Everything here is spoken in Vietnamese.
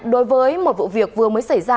đối với một vụ việc vừa mới xảy ra